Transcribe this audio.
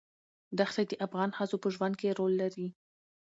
دښتې د افغان ښځو په ژوند کې رول لري.